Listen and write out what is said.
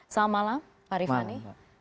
selamat malam pak rifani